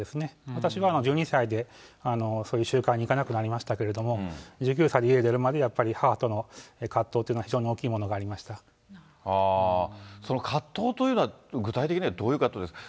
私は１２歳でそういう集会に行かなくなりましたけれども、１９歳で家を出るまで、やっぱり母との葛藤というのは非常に大きいもの葛藤というのは、具体的にはどういう葛藤ですか。